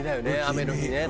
雨の日ね